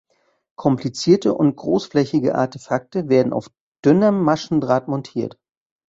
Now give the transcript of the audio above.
Komplizierte und großflächige Artefakte werden auf dünnem Maschendraht montiert.